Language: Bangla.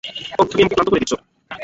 ওহ, তুমি আমাকে ক্লান্ত করে দিচ্ছ।